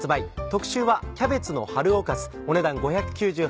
特集は「キャベツの春おかず」お値段５９８円。